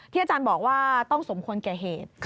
อาจารย์บอกว่าต้องสมควรแก่เหตุ